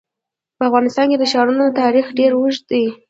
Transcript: په افغانستان کې د ښارونو تاریخ ډېر اوږد دی.